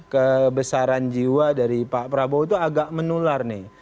kebesaran jiwa dari pak prabowo itu agak menular nih